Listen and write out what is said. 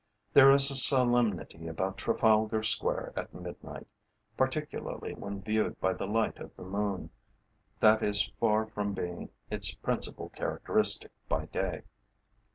There is a solemnity about Trafalgar Square at midnight, particularly when viewed by the light of the moon, that is far from being its principal characteristic by day.